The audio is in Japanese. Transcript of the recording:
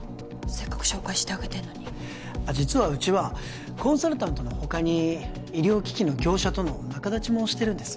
せっかく紹介してあげてんのにあっ実はうちはコンサルタントの他に医療機器の業者との仲立ちもしてるんです